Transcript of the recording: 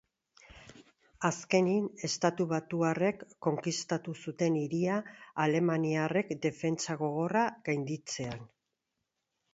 Azkenik estatubatuarrek konkistatu zuten hiria alemaniarrek defentsa gogorra gainditzean.